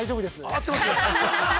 ◆合ってます？